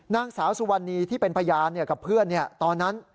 นางสาวสุวรรณีที่เป็นพยานกับเพื่อนตอนนั้น